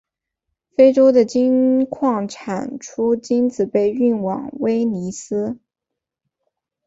非洲的金矿产出金子被运往威尼斯。